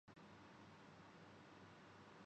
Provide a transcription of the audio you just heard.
روایتی چینی کی چھٹائی کی ترتیب